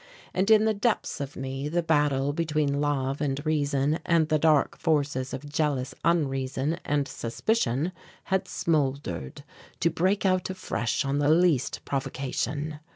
And in the depths of me the battle between love and reason and the dark forces of jealous unreason and suspicion had smouldered, to break out afresh on the least provocation.